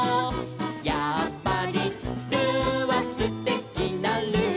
「やっぱりルーはすてきなルー」